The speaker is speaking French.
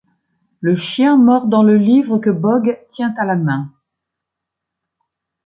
Le chien mord dans le livre que Bogg tient à la main.